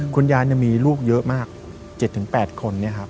คุณยายมีลูกเยอะมาก๗๘คน